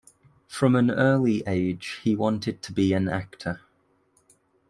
From an early age he wanted to be an actor.